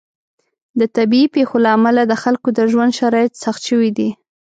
د طبیعي پیښو له امله د خلکو د ژوند شرایط سخت شوي دي.